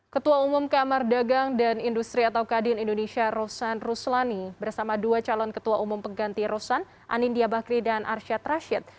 ketua umum kamar dagang dan industri atau kadin indonesia rosan ruslani bersama dua calon ketua umum pengganti rosan anindya bakri dan arsyad rashid